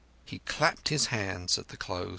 He clapped his hands at the close.